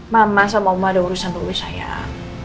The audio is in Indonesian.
mama sama oma ada urusan dulu sayang